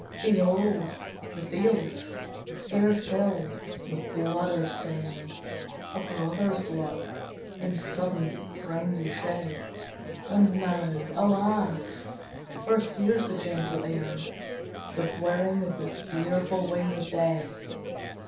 Behold, the fields, scarce tilled, with blood are stained, A brother's blood, in sudden frenzy shed; And now, alas, first hears the gentle air The whirring of the fearful wings of Death.